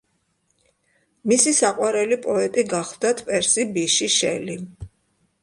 მისი საყვარელი პოეტი გახლდათ პერსი ბიში შელი.